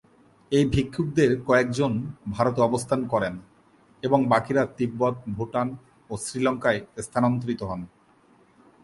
এই ভিক্ষুদের কয়েকজন ভারতে অবস্থান করেন এবং বাকিরা তিব্বত, ভুটান ও শ্রীলঙ্কায় স্থানান্তরিত হন।